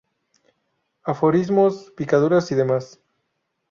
Aforismos, picaduras y demás.